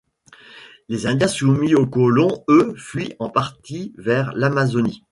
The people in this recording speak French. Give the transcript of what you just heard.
Les Indiens soumis aux colons, eux, fuient, en partie, vers l'Amazonie.